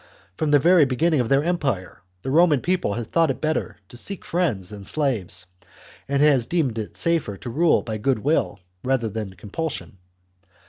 From the very beginning of their empire the Roman people has thought it better to seek friends than slaves, and has deemed it safer to rule by goodwill rather than compulsion.